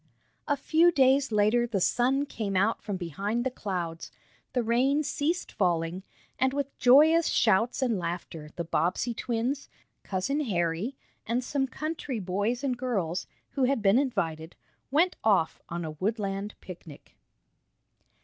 A few days later the sun came out from behind the clouds, the rain ceased falling and with joyous shouts and laughter the Bobbsey twins, cousin Harry, and some country boys and girls, who had been invited, went off on a woodland picnic.